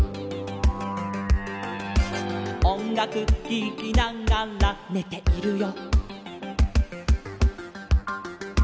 「おんがくききながらねているよ」